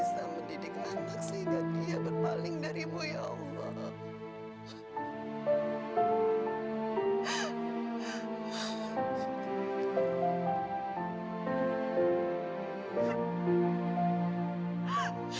saya mendidik anak sehingga dia berpaling darimu ya allah